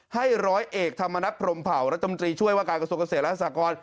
ร้อยเอกธรรมนัฐพรมเผารัฐมนตรีช่วยว่าการกระทรวงเกษตรและสากร